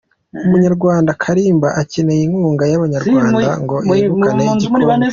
Umunyarwanda Kalimba akeneye inkunga y’Abanyarwanda ngo yegukane igikombe